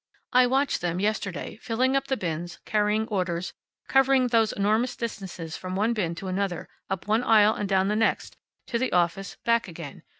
I watched them yesterday, filling up the bins, carrying orders, covering those enormous distances from one bin to another, up one aisle and down the next, to the office, back again.